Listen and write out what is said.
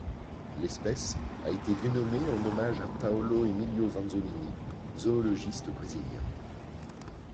L'espèce a été dénommée en hommage à Paulo Emilio Vanzolini, zoologiste brésilien.